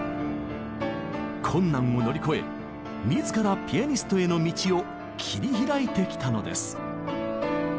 困難を乗り越え自らピアニストへの道を切り開いてきたのです。